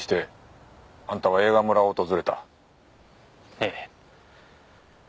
ええ。